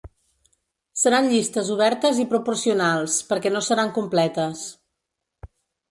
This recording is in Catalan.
Seran llistes obertes i proporcionals, perquè no seran completes.